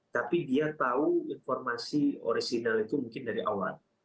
tapi dia tahu informasi original itu mungkin dari awal